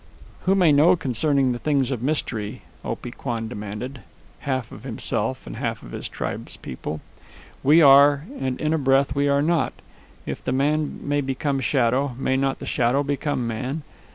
"Who may know concerning the things of mystery?" Opee Kwan demanded, half of himself and half of his tribespeople. "We are, and in a breath we are not. If the man may become shadow, may not the shadow become man?